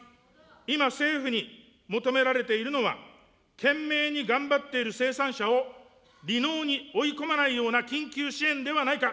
今、政府に求められているのは、懸命に頑張っている生産者を離農に追い込まないような緊急支援ではないか。